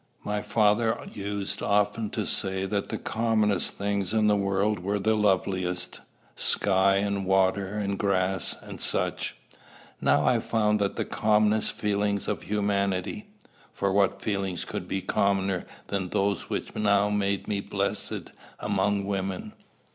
My father used often to say that the commonest things in the world were the loveliest, sky and water and grass and such; now I found that the commonest feelings of humanity for what feelings could be commoner than those which now made me blessed amongst women?